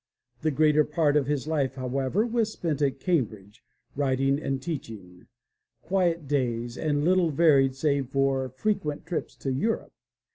The greater part of his life, however, was spent at Cambridge, writing and teaching, quiet days and little varied save for frequent trips to Europe.